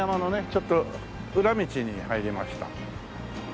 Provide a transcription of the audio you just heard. ちょっと裏道に入りました。